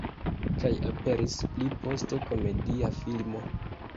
Kaj aperis pli poste komedia filmo.